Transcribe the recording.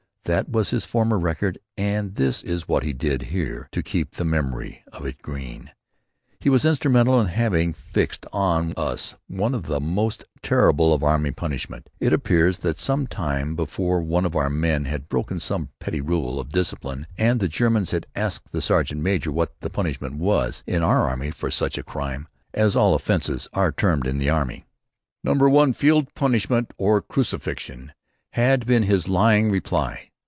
That was his former record and this is what he did here to keep the memory of it green. He was instrumental in having fixed on us one of the most terrible of army punishments. It appears that some time before one of our men had broken some petty rule of discipline and the Germans had asked the sergeant major what the punishment was in our army for such a "crime," as all offences are termed in the army. "Number One Field Punishment or Crucifixion," had been his lying reply.